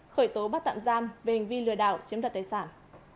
khởi tố bắt tạm giam về hình vi lừa đảo chiếm đặt tài sản